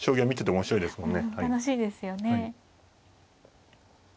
楽しいですよね。